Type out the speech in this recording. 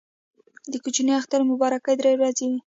د کوچني اختر مبارکي درې ورځې وي.